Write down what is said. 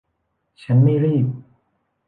ฉันไม่รีบ